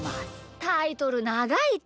タイトルながいって。